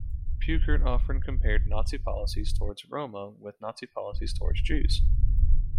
Peukert often compared Nazi policies towards Roma with Nazi policies towards Jews.